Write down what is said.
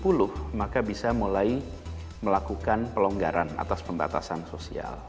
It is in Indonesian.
kalau di atas tujuh puluh maka bisa mulai melakukan pelonggaran atas pembatasan sosial